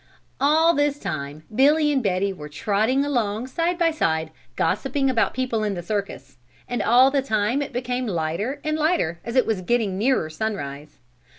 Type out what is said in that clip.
All this time Billy and Betty were trotting along side by side gossiping about people in the circus, and all the time it became lighter and lighter as it was getting nearer sunrise.